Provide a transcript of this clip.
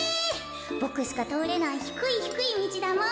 ボクしかとおれないひくいひくいみちだもん。